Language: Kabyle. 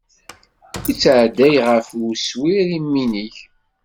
Yettɛedday ɣer uswir imineg.